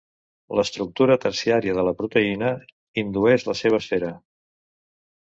L'estructura terciària de la proteïna indueix la seva esfera.